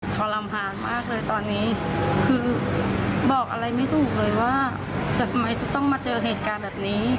ทรลำพานมากเลยตอนนี้คือบอกอะไรไม่ถูกเลยว่าทำไมจะต้องมาเจอเหตุการณ์แบบนี้